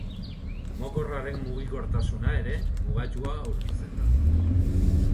Mokorraren mugikortasuna ere mugatua aurkitzen da.